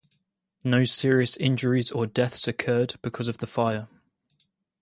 No serious injuries or deaths occurred because of the fire.